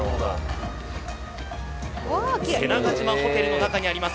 瀬長島ホテルの中にあります